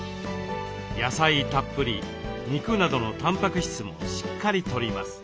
野菜たっぷり肉などのタンパク質もしっかりとります。